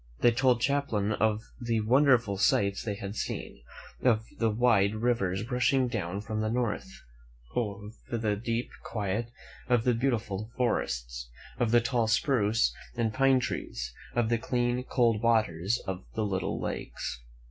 They I told Champlain of the wonderful sights they had seen; of the wide rivers rushing down from the north; of the deep quiet of the beautiful forests; —58 'f^^ Jim 128 THE FATHER O F NEW FRANCE: m a?s of the tall spruce and pine trees; of the clean, cold waters of the little lakes.